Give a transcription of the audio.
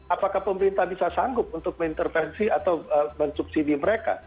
apakah pemerintah bisa sanggup untuk mengintervensi atau mensubsidi mereka